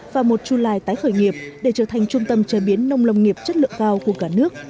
và một chulai tái khởi nghiệp để trở thành trung tâm chế biến nông lông nghiệp chất lượng cao của cả nước